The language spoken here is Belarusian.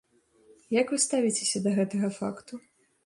Як вы ставіцеся да гэтага факту?